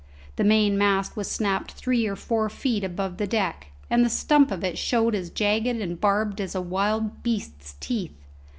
The main mast was snapped three or four feet above the deck, and the stump of it showed as jagged and barbed as a wild beast's teeth.